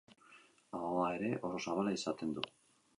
Ahoa ere oso zabala izaten du.